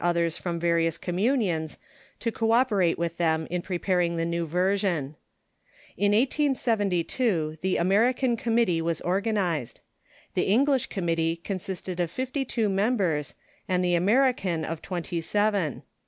others irom various communions to co operate with them in preparing the new version. In 1872 the American committee was organized. The English committee consisted of fifty two members, and the American of twenty seven.